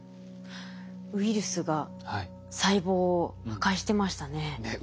ウイルスが細胞を破壊してましたね。